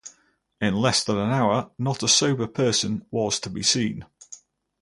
In less than an hour, not a sober person was to be seen.